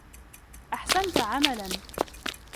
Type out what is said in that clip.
أحسنت عملا!